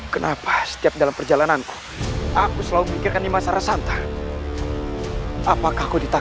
kau bisa mengalami kebanangan di si lamborghini sporter sendiri